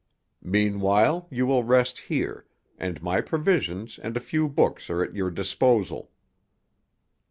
Meanwhile, you will rest here, and my provisions and a few books are at your disposal."